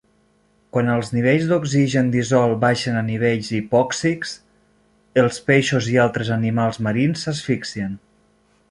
Quan els nivells d'oxigen dissolt baixen a nivells hipòxics, els peixos i altres animals marins s'asfixien.